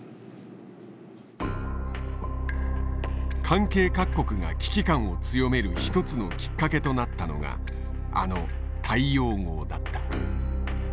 関係各国が危機感を強める一つのきっかけとなったのがあの大洋号だった。